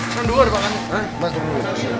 mas turun dulu